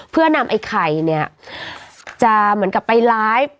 เพื่อนำไอ้ไข่เนี่ยจะเหมือนกับไปไลฟ์